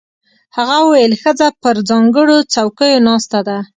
هغه وویل ښځه پر ځانګړو څوکیو ناسته ده.